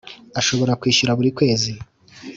Ashobora kwishyura Burikwezi.